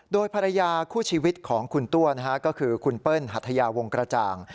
โดยภรรยาคู่ชีวิตของคุณตัวก็คือคุณเปิ้ลหัทยาวงกระจ่าง